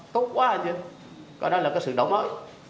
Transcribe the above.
tốt quá hả chứ có đó là sự đầu mối